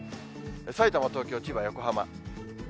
さいたま、東京、千葉、横浜。